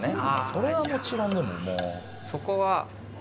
それはもちろんでももう。